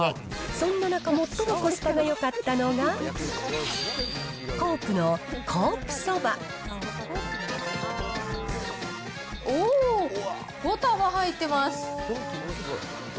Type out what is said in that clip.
そんな中、最もコスパがよかったのが、おー、５束入ってます。